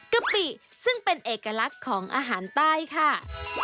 กะปิซึ่งเป็นเอกลักษณ์ของอาหารใต้ค่ะ